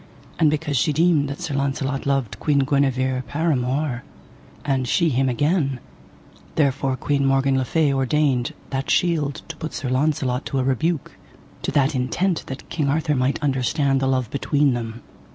And because she deemed that Sir Launcelot loved Queen Guenever paramour, and she him again, therefore Queen Morgan le Fay ordained that shield to put Sir Launcelot to a rebuke, to that intent that King Arthur might understand the love between them.